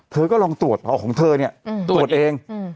เธอก็ลองตรวจของเธอเนี่ยตรวจเอง